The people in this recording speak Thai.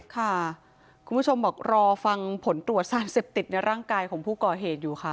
คุณผู้ชมบอกรอฟังผลตรวจสารเสพติดในร่างกายของผู้ก่อเหตุอยู่ค่ะ